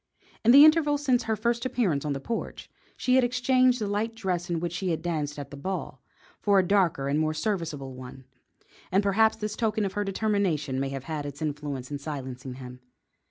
In the interval since her first appearance on the porch, she had exchanged the light dress in which she had danced at the ball, for a darker and more serviceable one, and perhaps this token of her determination may have had its influence in silencing him.